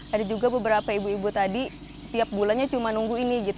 ada juga beberapa ibu ibu tadi tiap bulannya cuma nunggu ini gitu